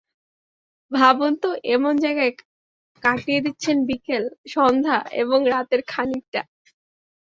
ভাবুন তো, এমন জায়গায় কাটিয়ে দিচ্ছেন বিকেল, সন্ধ্যা এবং রাতের খানিকটা।